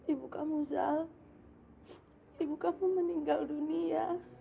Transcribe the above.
ibu kamu zal ibu kamu meninggal dunia